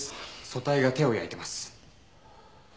組対が手を焼いてます。